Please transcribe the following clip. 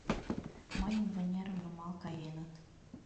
— Мыйын вынерым нумал каеныт.